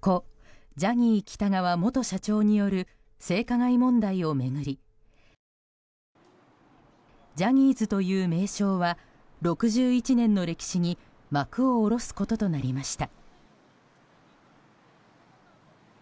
故ジャニー喜多川元社長による性加害問題を巡りジャニーズという名称は６１年の歴史に幕を下ろすこととなりました。